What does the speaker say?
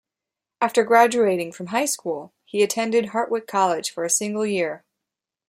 After graduating from high school, he attended Hartwick College for a single year.